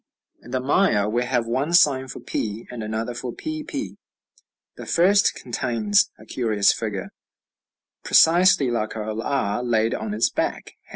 In the Maya we have one sign for p, and another for pp. The first contains a curious figure, precisely like our r laid on its back ###